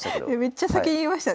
めっちゃ先に言いましたね。